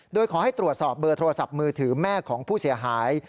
โดยขอให้ตรวจสอบเบอร์โทรศัพท์มือถือแม่ของผู้เสียหาย